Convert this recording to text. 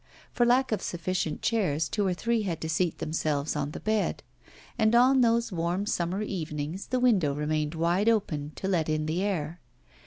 For lack of sufficient chairs, two or three had to seat themselves on the bed. And on those warm summer evenings the window remained wide open to let in the air.